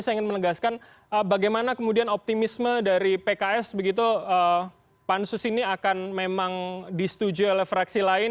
saya ingin menegaskan bagaimana kemudian optimisme dari pks begitu pansus ini akan memang disetujui oleh fraksi lain